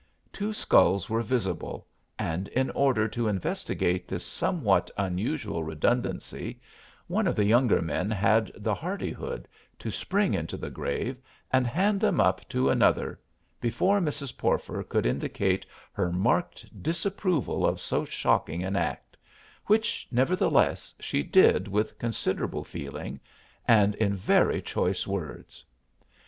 Two skulls were visible and in order to investigate this somewhat unusual redundancy one of the younger men had the hardihood to spring into the grave and hand them up to another before Mrs. Porfer could indicate her marked disapproval of so shocking an act, which, nevertheless, she did with considerable feeling and in very choice words.